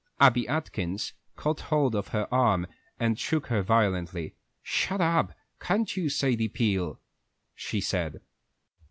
Abby Atkins caught hold of her arm and shook her violently. "Shut up, can't you, Sadie Peel," she said.